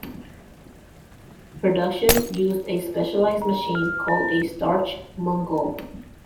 Production uses a specialized machine called a starch mogul.